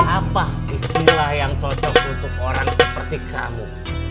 apa istilah yang cocok untuk orang seperti kamu